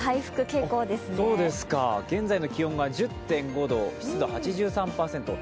現在の気温が１０．５度、湿度８３％